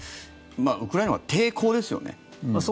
ウクライナは抵抗ですよね。